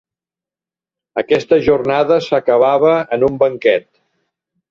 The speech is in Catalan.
Aquesta jornada s'acabava en un banquet.